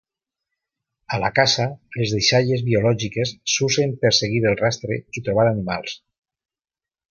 A la caça, les deixalles biològiques s'usen per seguir el rastre i trobar animals.